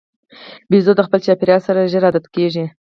بیزو د خپل چاپېریال سره ژر عادت کېږي.